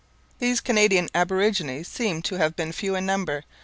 These Canadian aborigines seem to have been few in number.